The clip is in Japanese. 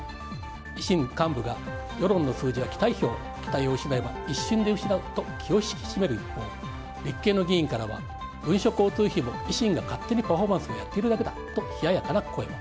維新幹部が世論の数字は期待票期待を失えば一瞬で失うと気を引き締める一方立憲の議員からは文書交通費も維新が勝手にパフォーマンスでやっているだけだと冷ややかな声も。